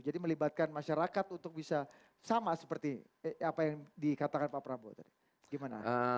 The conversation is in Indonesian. jadi melibatkan masyarakat untuk bisa sama seperti apa yang dikatakan pak prabowo tadi gimana